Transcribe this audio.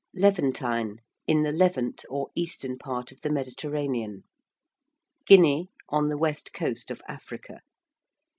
~Levantine~, in the Levant, or eastern part of the Mediterranean. ~Guinea~, on the west coast of Africa.